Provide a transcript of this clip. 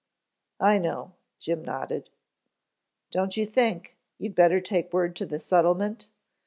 "I know," Jim nodded. "Don't you think you'd better take word to the settlement?